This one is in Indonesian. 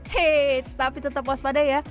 haits tapi tetap waspada ya